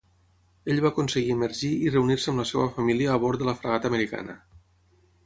Ell va aconseguir emergir i reunir-se amb la seva família a bor de la fragata americana.